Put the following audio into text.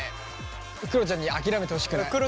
くろちゃんに諦めてほしくない。